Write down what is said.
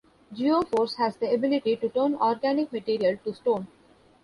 Geo-force has the ability to turn organic material to stone.